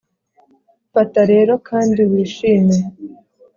fata rero kandi wishime